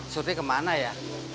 surti kemana ya